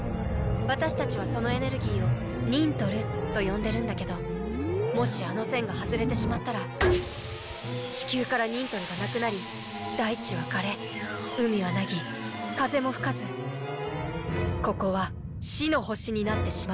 ワタシたちはそのエネルギーをニントルと呼んでるんだけどもしあの栓が外れてしまったら地球からニントルがなくなり大地は枯れ海は凪ぎ風も吹かずここは死の星になってしまうのです。